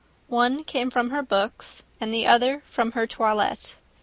One came from her books, and the other from her toilette.